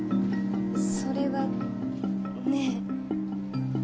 それはねえ？